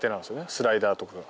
スライダーとかが。